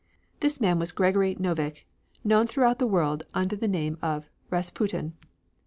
This man was Gregory Novikh, known throughout the world under the name of Rasputin.